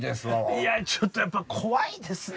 いやちょっとやっぱ怖いですね。